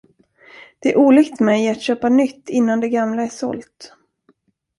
Det är olikt mig att köpa nytt innan det gamla är sålt.